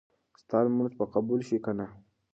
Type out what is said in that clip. ستا لمونځ به قبول شي که نه؟